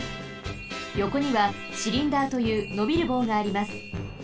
よこにはシリンダーというのびるぼうがあります。